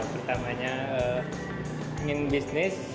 pertamanya ingin bisnis